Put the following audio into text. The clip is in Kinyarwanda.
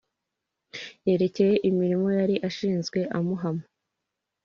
Yerekeye imirimo yari ashinzwe amuhama